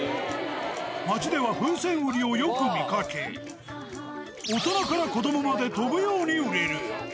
街では風船売りをよく見かけ、大人から子どもまで飛ぶように売れる。